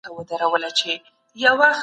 موږ به په دې برخه کي متخصصین سو.